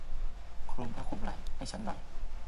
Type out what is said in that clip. คลุมผ้าคลุมไหล่ให้ฉันหน่อย